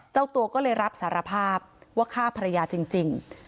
เจ้าตัวก็เลยรับสารภาพว่าฆ่าภรรยาจริง